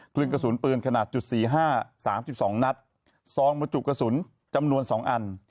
ครึ่งกระสุนปืนขนาด๔๕๓๒นัดซองมจุกระสุนจำนวน๒อัน